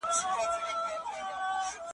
زما پیغام ته هم یو څه توجه وکړي .